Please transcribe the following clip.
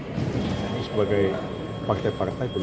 kkip sebagai koalisi permanen